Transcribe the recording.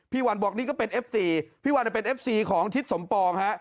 วันบอกนี่ก็เป็นเอฟซีพี่วันเป็นเอฟซีของทิศสมปองฮะ